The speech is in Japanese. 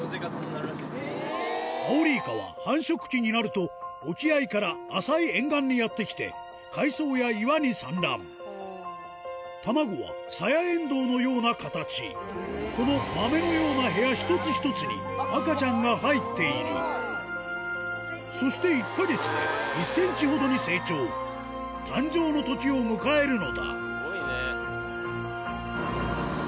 アオリイカは繁殖期になると沖合から浅い沿岸にやって来て海藻や岩に産卵卵はサヤエンドウのような形この豆のような部屋一つ一つに赤ちゃんが入っているそして１か月で１ｃｍほどに成長誕生のときを迎えるのだスゴいね。